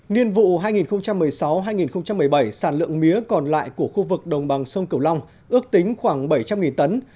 niên vụ hai nghìn một mươi sáu hai nghìn một mươi bảy sản lượng mía còn lại của khu vực đồng bằng sông cửu long ước tính khoảng bảy trăm linh tấn